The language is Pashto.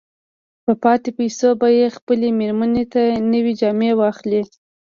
په پاتې پيسو به يې خپلې مېرمې ته نوې جامې واخلي.